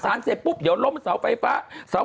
และเขาจะลมเสาไฟฟ้า